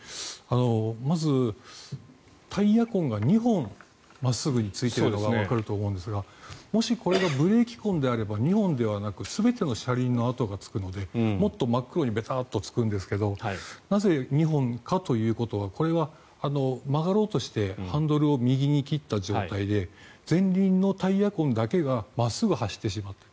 まず、タイヤ痕が２本真っすぐについているのがわかると思うんですがもしこれがブレーキ痕であれば２本ではなく全ての車輪の跡がつくのでもっと真っ黒にベターッとつくんですけどなぜ、２本かということはこれは曲がろうとしてハンドルを右に切った状態で前輪のタイヤ痕だけが真っすぐ走ってしまった。